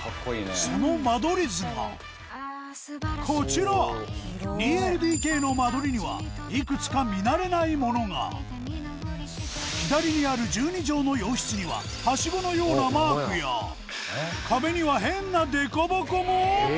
その間取り図がこちら２ＬＤＫの間取りにはいくつか見慣れないものが左にある１２帖の洋室にはハシゴのようなマークや壁には変なデコボコも！？